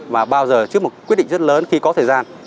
và bao giờ trước một quyết định rất lớn khi có thời gian